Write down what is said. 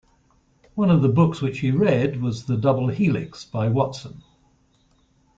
One of the books which he read was "The Double Helix" by Watson.